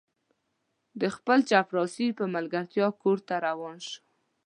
د خپل چپړاسي په ملګرتیا کور ته روان شو.